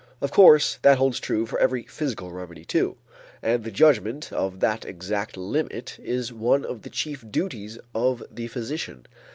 Of course that holds true for every physical remedy too, and the judgment of the exact limit is one of the chief duties of the physician.